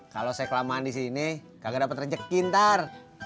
kalau saya kelamaan di sini gak akan dapat rejek gini ntar